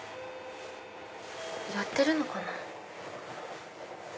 やってるのかな？